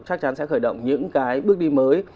chắc chắn sẽ khởi động những cái bước đi mới